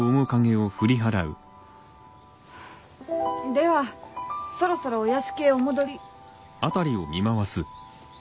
ではそろそろお屋敷へお戻り。